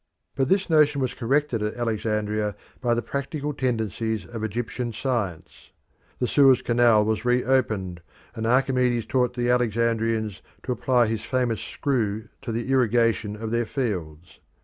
But this notion was corrected at Alexandria by the practical tendencies of Egyptian science. The Suez Canal was reopened, and Archimedes taught the Alexandrians to apply his famous screw to the irrigation of their fields.